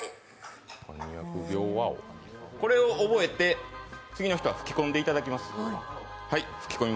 これを覚えて、次の人は吹き込んでいただきます。